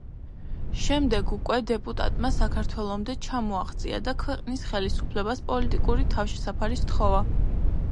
შემდეგ უკვე დეპუტატმა საქართველომდე ჩამოაღწია და ქვეყნის ხელისუფლებას პოლიტიკური თავშესაფარი სთხოვა.